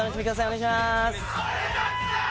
お願いしまーす